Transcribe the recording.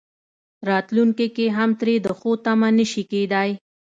راتلونکي کې هم ترې د ښو تمه نه شي کېدای.